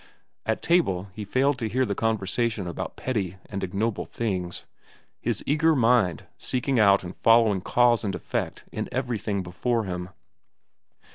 At table he failed to hear the conversation about petty and ignoble things, his eager mind seeking out and following cause and effect in everything before him.